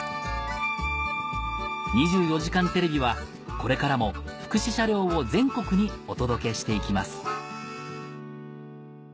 『２４時間テレビ』はこれからも福祉車両を全国にお届けしていきます